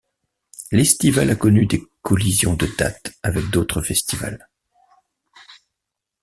L'Estivale a connu des collisions de date avec d'autres festivals.